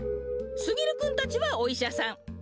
すぎるくんたちはおいしゃさん。